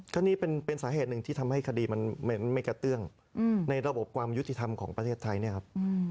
ก็นี่เป็นสาเหตุหนึ่งที่ทำให้คดีมันไม่กระเตื้องในระบบความยุติธรรมของประเทศไทยเนี่ยครับ